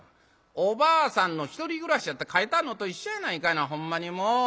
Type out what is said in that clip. おばあさんのひとり暮らしやて書いてあんのと一緒やないかいなほんまにもう。